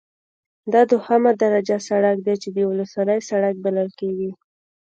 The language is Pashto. دا دوهمه درجه سرک دی چې د ولسوالۍ سرک بلل کیږي